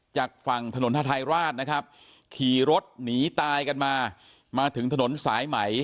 จากฝั่งถนนฮาทายราชนะครับขี่รถหนีตายกันมามาถึงถนนสายไหม